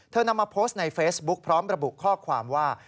นำมาโพสต์ในเฟซบุ๊คพร้อมระบุข้อความว่า